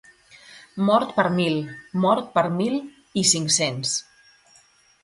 Mort per mil, mort per mil i cinc-cents.